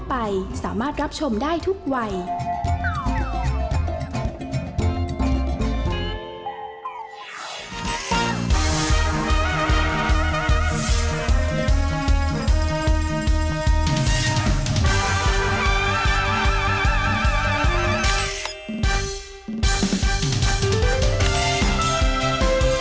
แม่บ้านประชันบ้าน